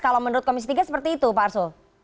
kalau menurut komisi tiga seperti itu pak arsul